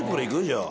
じゃあ。